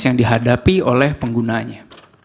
yang dihadapi oleh penggunanya